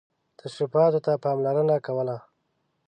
تشریفاتو ته پاملرنه کوله.